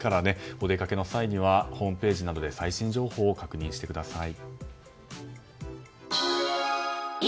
お出かけの際にはホームページなどで最新情報を確認してください。